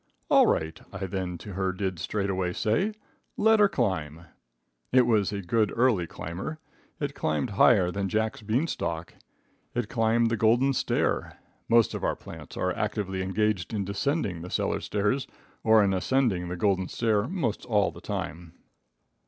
"All right," I then to her did straightway say, "let her climb." It was a good early climber. It climbed higher than Jack's beanstalk. It climbed the golden stair. Most of our plants are actively engaged in descending the cellar stairs or in ascending the golden stair most all the time.